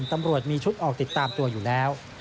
ตำรวจมีชุดออกติดตามตัวอยู่แล้ว